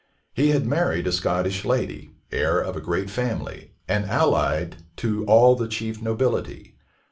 He had married a Scottish lady, heir of a great family, and allied to all the chief nobility.